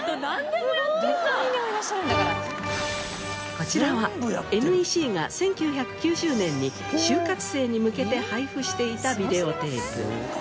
こちらはＮＥＣが１９９０年に就活生に向けて配布していたビデオテープ。